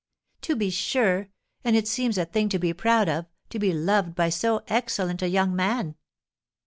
"To be sure; and it seems a thing to be proud of, to be loved by so excellent a young man!"